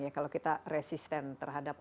ya kalau kita resisten terhadap